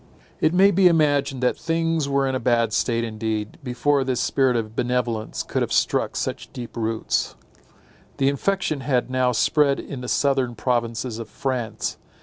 It may be imagined that things were in a bad state indeed, before this spirit of benevolence could have struck such deep roots. The infection had now spread in the southern provinces of France.